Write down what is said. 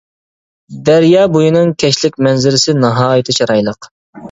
دەريا بۇيىنىڭ كەچلىك مەنزىرىسى ناھايىتى چىرايلىق.